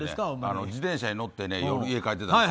自転車に乗って夜、家に帰っていたんです。